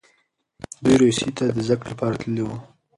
دوی روسیې ته زده کړې ته تللي وو.